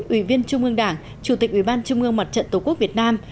ủy viên trung ương đảng chủ tịch ủy ban trung ương mặt trận tổ quốc việt nam